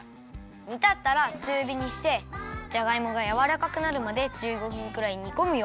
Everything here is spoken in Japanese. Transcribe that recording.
にたったらちゅうびにしてじゃがいもがやわらかくなるまで１５分くらいにこむよ。